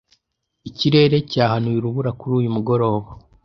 Ikirere cyahanuye urubura kuri uyu mugoroba.